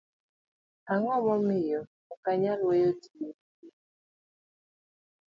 Ang'o ma omiyo okonyal weyo tiyo gi yedhe go?